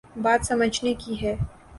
بات سمجھنے کی ہے۔